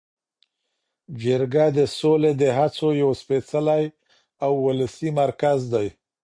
جرګه د سولې د هڅو یو سپیڅلی او ولسي مرکز دی.